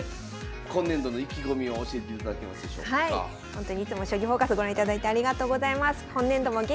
ほんとにいつも「将棋フォーカス」ご覧いただいてありがとうございます。